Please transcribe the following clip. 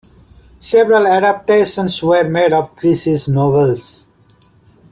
Several adaptations were made of Creasey's novels.